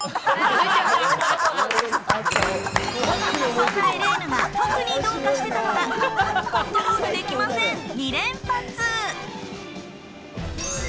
そんなエレーヌアナがどうかしてたのが、コントロールできません２連発。